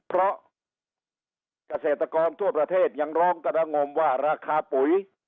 เพราะเกษตรกรทั่วประเทศยังร้องกระงมว่าราคาปุ๋ย